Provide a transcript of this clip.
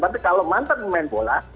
tapi kalau mantan pemain bola